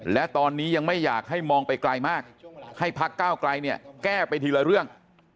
และตอนนี้ยังไม่อยากให้มองไปไกลมากให้พักก้าวไกลเนี่ยแก้ไปทีละเรื่อง